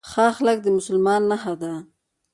ښه اخلاق د مسلمان نښه ده